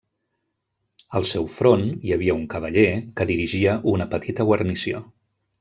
Al seu front, hi havia un cavaller, que dirigia una petita guarnició.